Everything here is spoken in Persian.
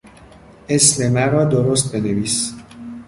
اسم مرا درست بنویس!